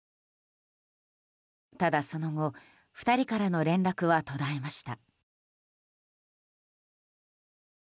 ただ、その後２人からの連絡は途絶えました。